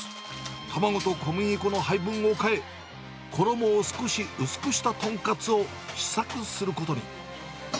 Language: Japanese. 卵と小麦粉の配分を変え、衣を少し薄くした豚カツを試作することに。